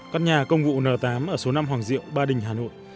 các nhà công vụ n tám ở số năm hoàng diệu ba đình hà nội